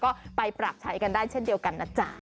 ก็ไปปรับใช้กันได้เช่นเดียวกันนะจ๊ะ